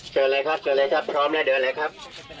เชิญเลยครับเชิญเลยครับพร้อมแล้วเดินเลยครับ